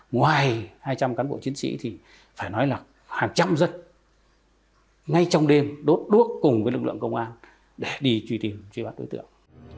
ngoài hai trăm linh cán bộ chiến sĩ thì phải nói là hàng trăm dân ngay trong đêm đốt đuốc cùng với lực lượng công an để đi truy tìm truy bắt đối tượng